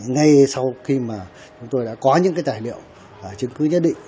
ngay sau khi mà chúng tôi đã có những cái tài liệu chứng cứ nhất định